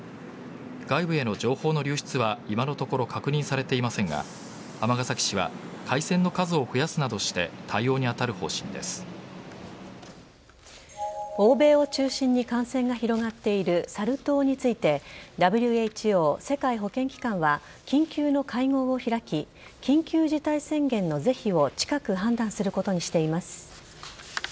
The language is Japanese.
外部への情報の流出は今のところ確認されていませんが尼崎市は回線の数を増やすなどして欧米を中心に感染が広がっているサル痘についてＷＨＯ＝世界保健機関は緊急の会合を開き緊急事態宣言の是非を近く判断することにしています。